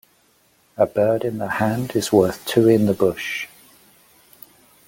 A bird in the hand is worth two in the bush.